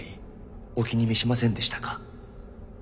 お気に召しませんでしたか？